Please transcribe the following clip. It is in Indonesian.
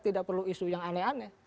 tidak perlu isu yang aneh aneh